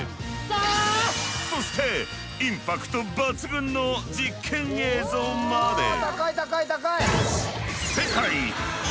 そしてインパクト抜群の実験映像まで。